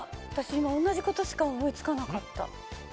今同じ事しか思いつかなかった。